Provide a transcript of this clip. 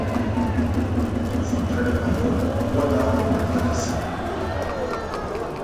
En central Español jugó al lado de Matias Vecino.